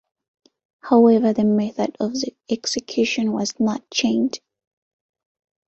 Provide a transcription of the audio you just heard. However the method of execution was not changed.